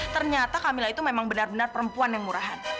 ternyata camilla itu memang benar benar perempuan yang murahan